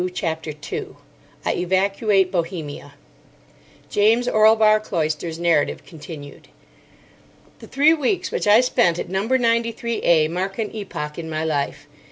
CHAPTER 2 I EVACUATE BOHEMIA (James Orlebar Cloister's narrative continued) The three weeks which I spent at No. 93A mark an epoch in my life.